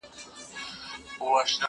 زه پرون ځواب وليکه،